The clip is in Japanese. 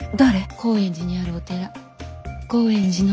高円寺にあるお寺高円寺の。